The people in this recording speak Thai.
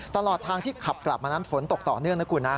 ตลอดทางที่ขับกลับมานั้นฝนตกต่อเนื่องนะคุณนะ